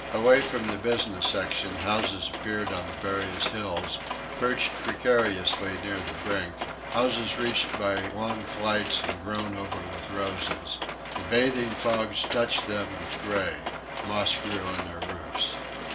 Away from the business section houses appeared on the various hills, perched precariously near the brink; houses reached by long flights and grown over with roses. The bathing fogs touched them with gray. Moss grew on their roofs.